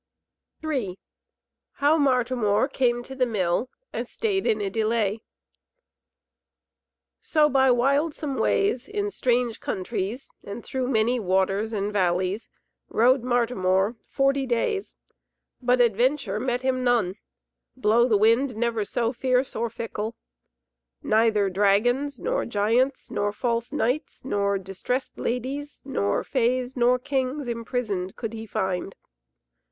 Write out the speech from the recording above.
III How Martimor Came to the Mill a Stayed in a Delay So by wildsome ways in strange countries and through many waters and valleys rode Martimor forty days, but adventure met him none, blow the wind never so fierce or fickle. Neither dragons, nor giants, nor false knights, nor distressed ladies, nor fays, nor kings imprisoned could he find.